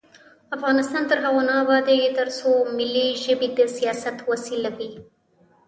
افغانستان تر هغو نه ابادیږي، ترڅو ملي ژبې د سیاست وسیله وي.